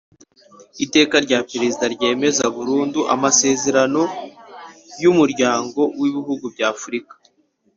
Iteka rya Perezida ryemeza burundu amasezerano y Umuryango w Ibihugu by Afurika